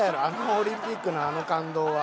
オリンピックのあの感動は。